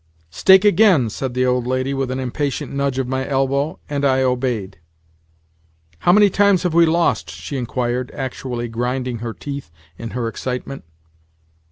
"Stake again," said the old lady with an impatient nudge of my elbow, and I obeyed. "How many times have we lost?" she inquired—actually grinding her teeth in her excitement.